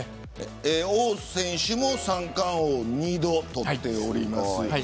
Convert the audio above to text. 王選手も三冠王を二度取っています。